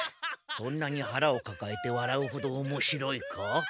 そんなにはらをかかえてわらうほどおもしろいか？